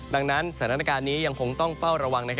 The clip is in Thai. ดังนั้นสถานการณ์นี้ยังคงต้องเฝ้าระวัง